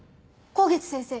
香月先生